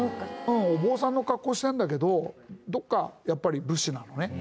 お坊さんの格好してるんだけどどこかやっぱり武士なのね。